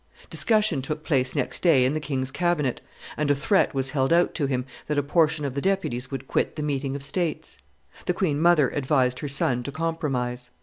Discussion took place next day in the king's cabinet; and a threat was held out to him that a portion of the deputies would quit the meeting of states. The queen mother advised her son to compromise.